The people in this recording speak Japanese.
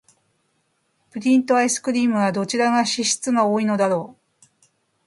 プリンとアイスクリームは、どちらが脂質が多いのだろう。